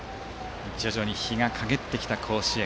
徐々に日がかげってきた甲子園。